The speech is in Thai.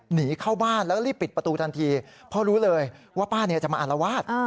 หนีเข้าบ้านแล้วก็รีบปิดประตูทันทีเพราะรู้เลยว่าป้าเนี่ยจะมาอารวาส